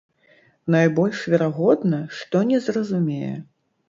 Найбольш верагодна, што не зразумее.